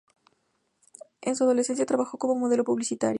En su adolescencia trabajó como modelo publicitaria.